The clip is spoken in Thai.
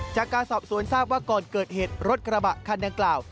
จากการสอบสวนทราบว่าก่อนเกิดเหตุรถกระบะคันดังกล่าว